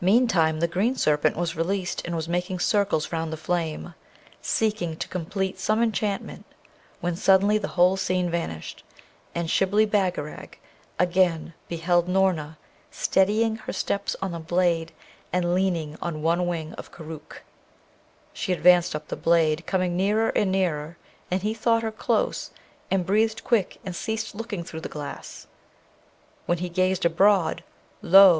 Meantime the green serpent was released and was making circles round the flame, seeking to complete some enchantment, when suddenly the whole scene vanished, and Shibli Bagarag again beheld Noorna steadying her steps on the blade, and leaning on one wing of Koorookh. She advanced up the blade, coming nearer and nearer; and he thought her close, and breathed quick and ceased looking through the glass. When he gazed abroad, lo!